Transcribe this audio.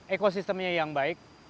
ekosistemnya yang baik